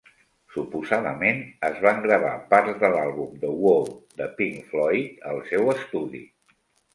Suposadament, es van gravar parts de l'àlbum "The Wall" de Pink Floyd al seu estudi.